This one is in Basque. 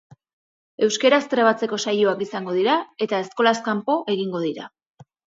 Euskaraz trebatzeko saioak izango dira eta eskolaz kanpo egingo dira.